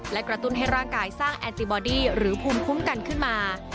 และกระตุ้นให้ร่างกายสร้างแอนติบอดี้หรือภูมิคุ้มกันขึ้นมา